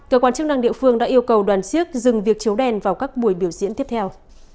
cơ quan chức năng địa phương đã yêu cầu đoàn siếc dừng việc chấu đèn vào các buổi biểu diễn tiếp theo